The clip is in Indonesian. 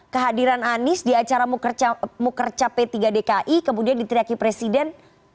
kehadiran anies di acara mukercap p tiga dki kemudian diteriaki presiden